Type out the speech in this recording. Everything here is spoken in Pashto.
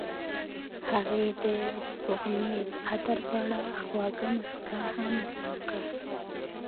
هغې د سپوږمیز عطر په اړه خوږه موسکا هم وکړه.